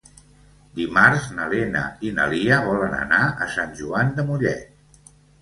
Dimarts na Lena i na Lia volen anar a Sant Joan de Mollet.